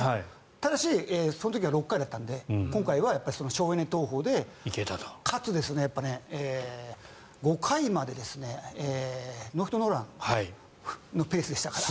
ただし、その時は６回だったので今回は省エネ投法でかつ５回までノーヒット・ノーランのペースでしたから。